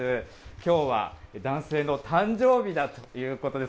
きょうは男性の誕生日だということです。